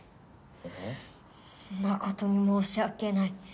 誠に申し訳ない。